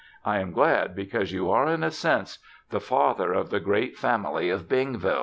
I am glad because you are, in a sense, the father of the great family of Bingville."